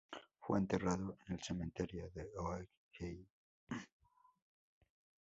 Fue enterrado en el Cementerio de Oak Hill.